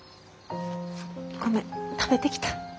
ごめん食べてきた。